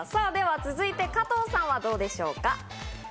続いて加藤さんはどうでしょうか？